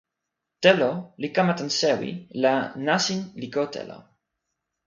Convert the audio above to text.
telo li kama tan sewi la nasin li ko telo.